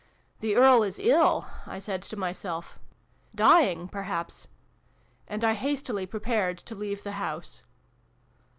" The Earl is ill !" I said to myself. " Dying, perhaps !" And I hastily prepared to leave the house.